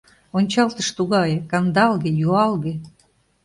Ончалтыш тугае, кандалге, юалге.